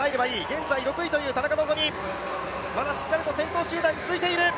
現在６位という田中希実、まだしっかりと先頭集団についている。